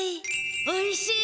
おいしい！